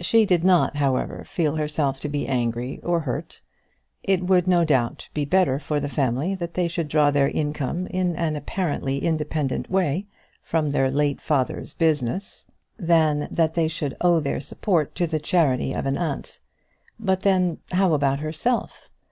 She did not, however, feel herself to be angry or hurt. It would, no doubt, be better for the family that they should draw their income in an apparently independent way from their late father's business than that they should owe their support to the charity of an aunt. But then, how about herself?